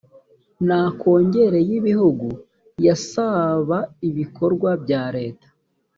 na kongere y igihugu ya saab ibikorwa bya leta